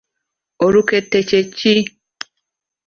Olukete kye ki?